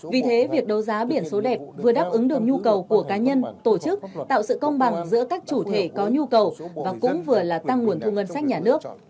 vì thế việc đấu giá biển số đẹp vừa đáp ứng được nhu cầu của cá nhân tổ chức tạo sự công bằng giữa các chủ thể có nhu cầu và cũng vừa là tăng nguồn thu ngân sách nhà nước